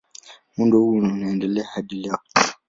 Muundo huu unaendelea hadi leo.